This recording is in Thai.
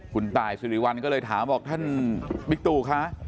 คุณตายสิริวัลก็เลยถามบอกท่านบิ๊กตู่คะ